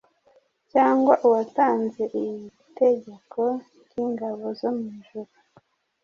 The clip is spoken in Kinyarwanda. cyangwa uwatanze itegeko ryingabo zo mwijuru